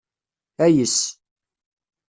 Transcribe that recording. Ayes.